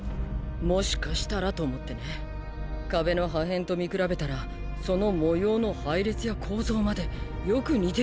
もしかしたらと思ってね「壁」の破片と見比べたらその模様の配列や構造までよく似ていたんだ。